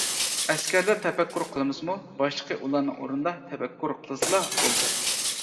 ئەسكەرلەر تەپەككۇر قىلمىسىمۇ، باشلىقى ئۇلارنىڭ ئورنىدا تەپەككۇر قىلسىلا بولدى.